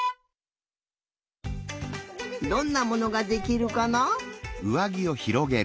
どんなものができるかな？